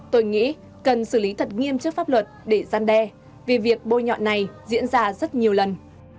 tôi nghĩ cần xử lý thật nghiêm trước pháp luật để gian đe vì việc bôi nhọn này diễn ra rất nhiều lần